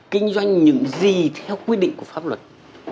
kinh doanh những gì theo quy định của pháp luật